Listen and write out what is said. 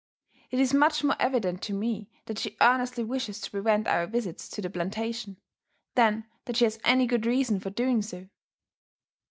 It is much more evident to me that she earnestly wishes to prevent our visits to the plantation, than that she has any good reason for doing so."